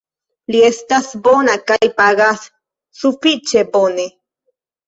Li estas bona kaj pagas sufiĉe bone.